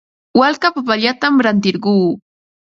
Walka papallatam rantirquu.